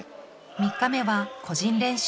３日目は個人練習。